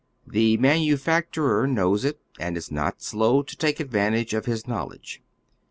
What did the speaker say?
The manufacturer knows it, and is not slow to take advantage of his knowledge.